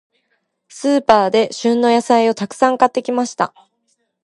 スーパーで、旬の野菜をたくさん買ってきました。